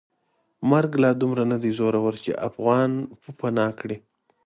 مرګ لا دومره ندی زورور چې افغان پوپناه کړي.